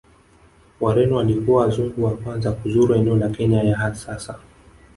Wareno walikuwa Wazungu wa kwanza kuzuru eneo la Kenya ya sasa